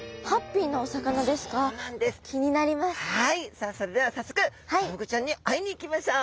さあそれでは早速クサフグちゃんに会いに行きましょう！